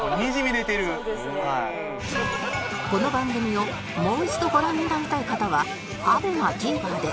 この番組をもう一度ご覧になりたい方は ＡＢＥＭＡＴＶｅｒ で